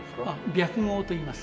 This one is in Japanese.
白毫といいます。